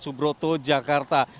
jalan gatot subroto jakarta